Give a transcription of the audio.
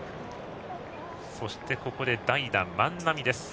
そしてここで代打、万波です。